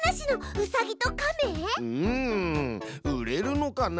うん売れるのかな？